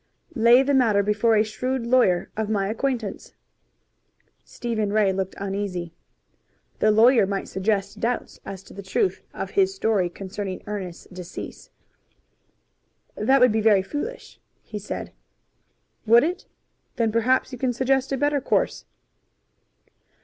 "Lay the matter before a shrewd lawyer of my acquaintance." Stephen Ray looked uneasy. The lawyer might suggest doubts as to the truth of his story concerning Ernest's decease. "That would be very foolish," he said. "Would it? Then perhaps you can suggest a better course."